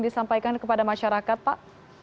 disampaikan kepada masyarakat pak